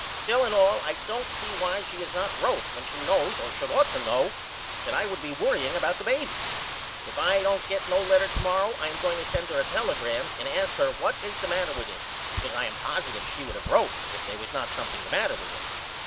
Still and all I don't see why she has not wrote when she knows or should ought to know that I would be worrying about the baby. If I don't get no letter to morrow I am going to send her a telegram and ask her what is the matter with him because I am positive she would of wrote if they was not something the matter with him.